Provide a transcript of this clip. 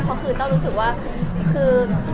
เพราะคือแต้วรู้สึกว่าคือ